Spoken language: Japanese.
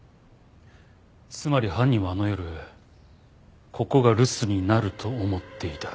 つまり犯人はあの夜ここが留守になると思っていた。